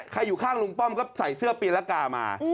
อยู่ข้างลุงป้อมก็ใส่เสื้อปีละกามา